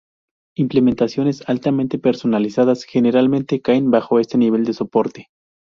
Implementaciones altamente personalizadas generalmente caen bajo este nivel de soporte.